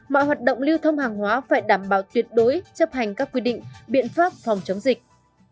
mọi hoạt động lưu thông hàng hóa phải đảm bảo tuyệt đối chấp hành các quy định biện pháp phòng chống dịch